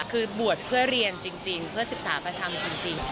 คือบวชเพื่อเรียนจริงเพื่อศึกษาประธรรมจริง